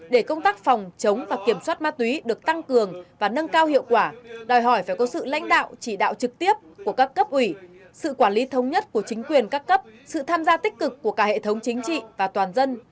để công tác phòng chống và kiểm soát ma túy được tăng cường và nâng cao hiệu quả đòi hỏi phải có sự lãnh đạo chỉ đạo trực tiếp của các cấp ủy sự quản lý thống nhất của chính quyền các cấp sự tham gia tích cực của cả hệ thống chính trị và toàn dân